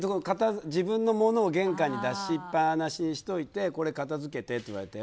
自分のものを玄関に出しっぱなしにしておいてこれ片づけてって言われてＯＫ